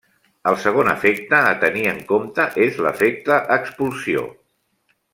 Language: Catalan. El segon efecte a tenir en compte és l'efecte expulsió.